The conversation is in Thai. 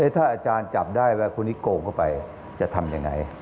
ถ้าอาจารย์จับได้ว่าคนนี้โกงเข้าไปจะทำยังไง